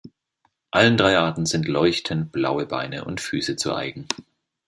Allen drei Arten sind leuchtend blaue Beine und Füße zu eigen.